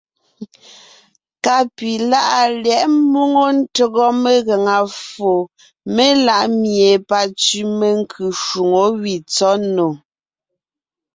Ka pi láʼa lyɛ̌ʼ ḿmoŋo ntÿɔgɔ megaŋa ffo melaʼ mie pantsẅi menkʉ́ shwoŋó gẅí tsɔ́ nò.